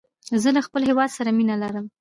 زه له خپل هيواد سره مینه لرم.